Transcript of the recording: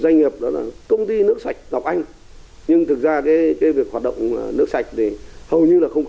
doanh nghiệp đó là công ty nước sạch ngọc anh nhưng thực ra cái việc hoạt động nước sạch thì hầu như là không có